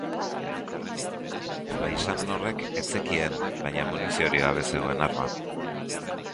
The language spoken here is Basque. Paysan horrek ez zekien, baina muniziorik gabe zegoen arma.